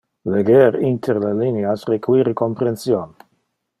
Leger inter le lineas require comprension.